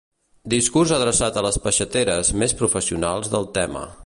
Discurs adreçat a les peixateres més professionals del tema.